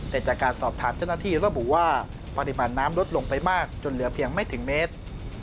แต่จากการสอบถามเจ้าหน้าที่ระบุว่าปริมาณน้ำลดลงไปมากจนเหลือเพียงไม่ถึงเมตร